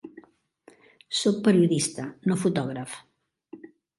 Soc periodista, no fotògraf.